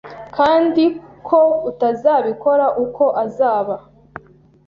kandi ko utazabikora uko azaba